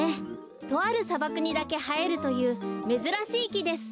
とあるさばくにだけはえるというめずらしいきです。